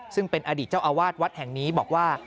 ซึ่งเป็นอดีตเจ้าอาวาสวัดแห่งนี้บอกว่า